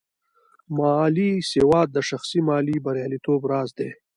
مالي سواد د شخصي مالي بریالیتوب راز دی.